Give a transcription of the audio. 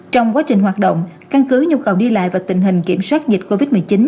trong quá trình hoạt động căn cứ nhu cầu đi lại và tình hình kiểm soát dịch covid một mươi chín